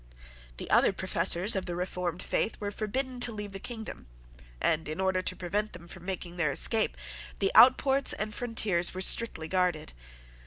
The other professors of the reformed faith were forbidden to leave the kingdom; and, in order to prevent them from making their escape, the outports and frontiers were strictly guarded.